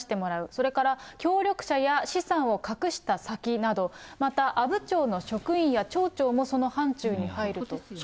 それから協力者や資産を隠した先など、また阿武町の職員や町長もそのはんちゅうに入ると。